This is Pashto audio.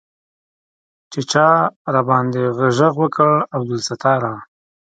چې چا راباندې ږغ وکړ عبدالستاره.